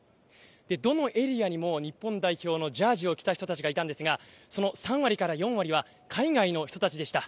どのエリアにも日本代表のジャージを着た人たちがいたんですが、その３割から４割は海外の人たちでした。